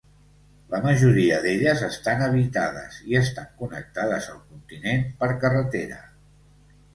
La majoria d'elles estan habitades, i estan connectades al continent per carretera.